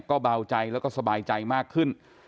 ก็เบาใจแล้วก็สบายใจมากขึ้น